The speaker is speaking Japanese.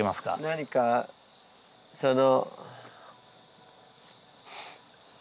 何かその。